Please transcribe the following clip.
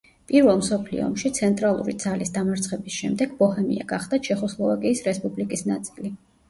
პირველ მსოფლიო ომში ცენტრალური ძალის დამარცხების შემდეგ ბოჰემია გახდა ჩეხოსლოვაკიის რესპუბლიკის ნაწილი.